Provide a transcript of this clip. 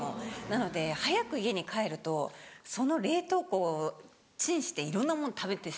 なので早く家に帰るとその冷凍庫チンしていろんなもの食べてしまう。